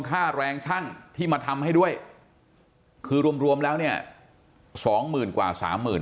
ค่าแรงช่างที่มาทำให้ด้วยคือรวมรวมแล้วเนี่ยสองหมื่นกว่าสามหมื่น